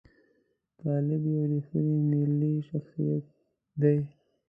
طالب یو ریښتونی ملي شخصیت دی.